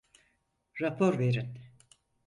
Rapor verin.